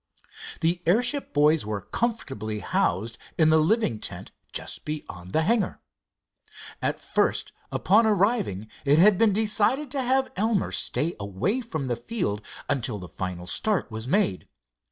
The airship boys were comfortably housed in the living tent just beyond the hangar. At first upon arriving it had been decided to have Elmer stay away from the field until the final start was made.